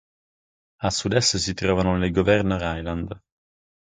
A sud-est si trovano le Governor Islands.